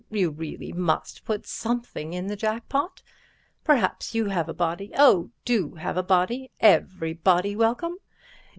You really must put something in the jack pot. Perhaps you have a body. Oh, do have a body. Every body welcome.